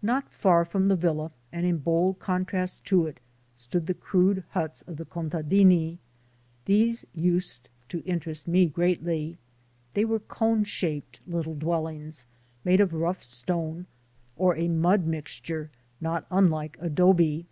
Not far from the villa and in bold contrast to it, stood the crude huts of the "contadini." These used to interest me greatly. They were cone shaped little dwellings made of rough stone or a mud mix ture not unlike adobe.